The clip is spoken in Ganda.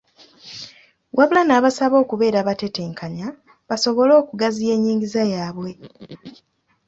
Wabula n'abasaba okubeera abatetenkanya, basobole okugaziya ennyigiza yaabwe.